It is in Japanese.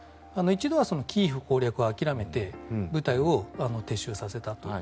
１度はキーウ攻略を諦めて部隊を撤収させたと。